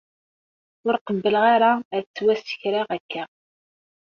Ur qebbleɣ ara ad ttwasekkreɣ akka.